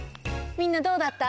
みんなどうだった？